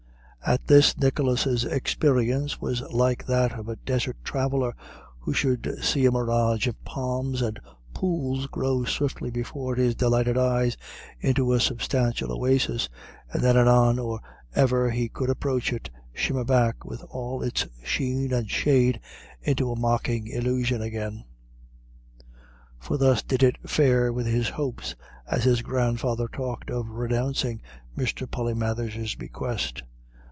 At this Nicholas's experience was like that of a desert traveller who should see a mirage of palms and pools grow swiftly before his delighted eyes into a substantial oasis, and then anon, or ever he could approach it, shimmer back, with all its sheen and shade, into mocking illusion again. For thus did it fare with his hopes as his grandfather talked of renouncing Mr. Polymathers's bequest.